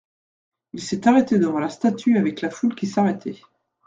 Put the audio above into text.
Il s'est arrêté devant la statue avec la foule qui s'arrêtait.